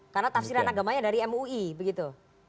karena tafsiran agamanya dari mui begitu